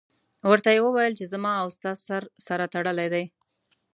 ورته یې وویل چې زما او ستا سر سره تړلی دی.